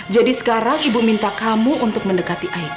jadi sekarang ibu minta kamu untuk mendekati aida